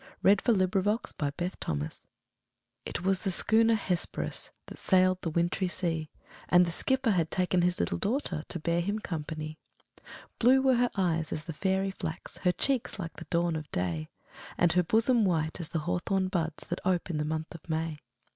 SIR W. SCOTT. THE WRECK OF THE HESPERUS It was the schooner Hesperus, That sailed the wintry sea; And the skipper had taken his little daughter, To bear him company. Blue were her eyes as the fairy flax, Her cheeks like the dawn of day, And her bosom white as the hawthorn buds, That ope in the month of May.